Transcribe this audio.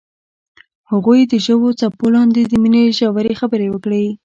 هغوی د ژور څپو لاندې د مینې ژورې خبرې وکړې.